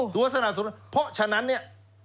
สนับสนุนเพราะฉะนั้นเนี่ย